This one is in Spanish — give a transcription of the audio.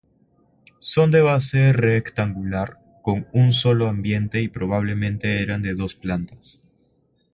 Son de base rectangular con un solo ambiente y probablemente eran de dos plantas.